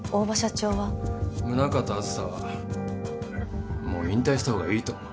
宗形あずさはもう引退したほうがいいと思う。